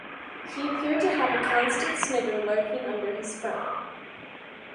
He appeared to have a constant snigger lurking under his frown.